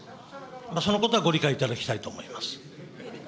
そのことはご理解いただきたいと思います。